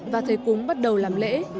và thầy cúng bắt đầu làm lễ